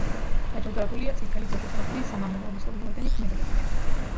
დაჯილდოებულია წითელი დროშის ორდენით, სამამულო ომის ორი ორდენით, მედლებით.